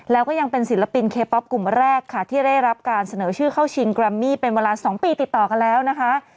แล้วก็ยังเป็นศิลปินเคป๊อปกลุ่มแรกค่ะที่ได้รับการเสนอชื่อเข้าชิงแกรมมี่เป็นเวลา๒ปีติดต่อกันแล้วนะคะ